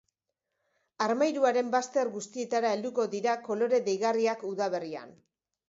Armairuaren bazter guztietara helduko dira kolore deigarriak udaberrian.